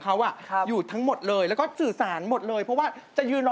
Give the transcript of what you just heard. คือความสดใสของวัยรุ่น